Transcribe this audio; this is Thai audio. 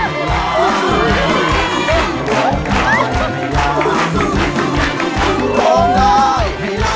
ร้องได้ให้ล้าน